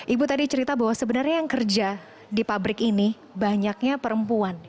ibu tadi cerita bahwa sebenarnya yang kerja di pabrik ini banyaknya perempuan